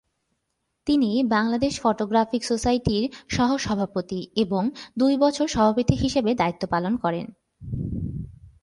তিনি বাংলাদেশ ফটোগ্রাফিক সোসাইটির সহসভাপতি এবং দুই বছর সভাপতি হিসেবে দায়িত্ব পালন করেন।